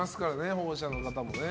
保護者の方も。